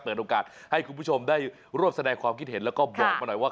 โอกาสให้คุณผู้ชมได้รวบแสดงความคิดเห็นแล้วก็บอกมาหน่อยว่า